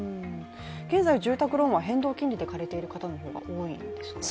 現在住宅ローンは変動金利で借りている方の方が多いんですか？